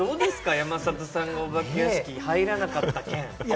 山里さんがお化け屋敷入らなかった件。